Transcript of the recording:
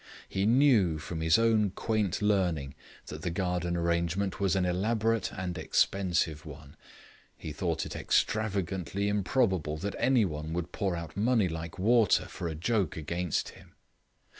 He knew from his own quaint learning that the garden arrangement was an elaborate and expensive one; he thought it extravagantly improbable that any one would pour out money like water for a joke against him.